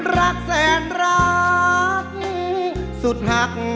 รักแสนรักสุดหัก